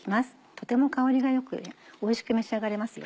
とても香りが良くおいしく召し上がれますよ。